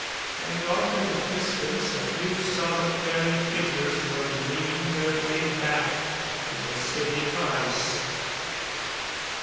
And off in the distance a few solitary figures were winging their way back to the City of Ice.